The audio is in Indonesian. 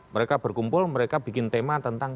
mereka berkumpul mereka bikin tema tentang